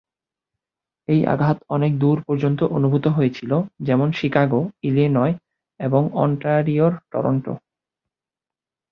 এই আঘাত অনেক দূর পর্যন্ত অনুভূত হয়েছিল যেমন শিকাগো, ইলিনয় এবং অন্টারিওর টরেন্টো।